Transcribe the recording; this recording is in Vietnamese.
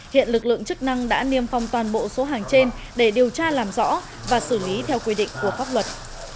hiện lực lượng chức năng đã niêm phong toàn bộ số hàng trên để điều tra làm rõ và xử lý theo quy định của pháp luật